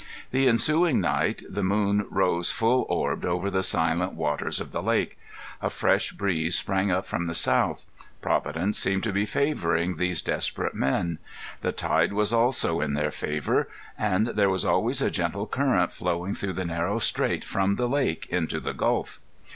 The ensuing night the moon rose full orbed over the silent waters of the lake. A fresh breeze sprang up from the south. Providence seemed to be favoring these desperate men. The tide was also in their favor. And there was always a gentle current flowing through the narrow strait from the lake into the gulf.